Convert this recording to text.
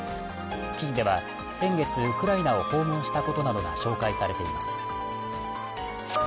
記事では先月、ウクライナを訪問したことなどが紹介されています。